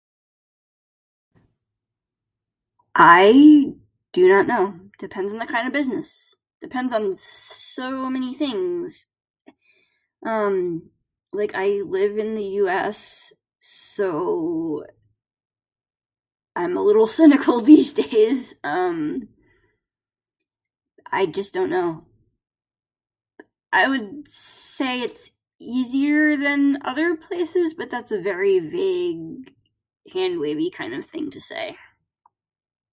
I do not know. Depends on the kind of business. Depends on so many things. Um. Like, I live in the US, so... I'm a little cynical these days. Um, I just don't know. I would say its easier than other places but that's a very vague, hand-wavy kind of thing to say.